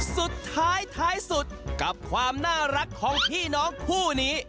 สุดท้ายท้ายสุดกับความน่ารักของพี่น้องคู่นี้